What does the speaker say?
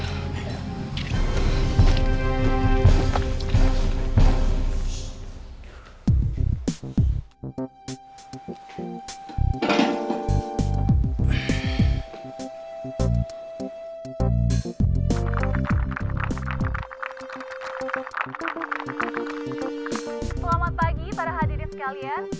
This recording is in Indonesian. selamat pagi para hadirin sekalian